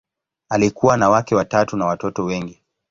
Alikuwa na wake watatu na watoto wengi.